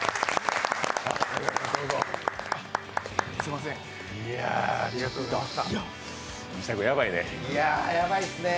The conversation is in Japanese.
こらちこそありがとうございました。